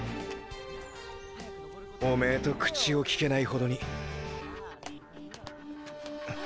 おめェと口をきけないほどに。